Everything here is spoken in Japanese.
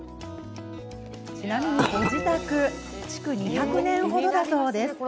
ちなみに、ご自宅築２００年程だそうです。